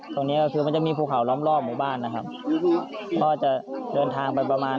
ตรงนี้ก็คือมันจะมีภูเขาล้อมรอบหมู่บ้านนะครับเพราะว่าจะเดินทางไปประมาณ